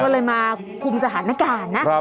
ก็เลยมาคุมสถานการณ์นะ